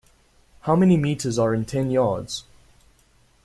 How many meters are in ten yards?